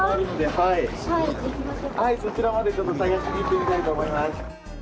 そちらまでちょっと探しに行ってみたいと思います。